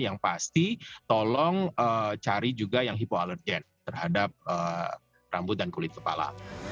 yang pasti tolong cari juga yang hipoalergen terhadap rambut dan kulit kepala